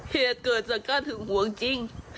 เหตุเกิดจากการหึงหวงจริง